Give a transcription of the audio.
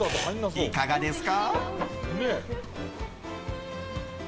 いかがですか？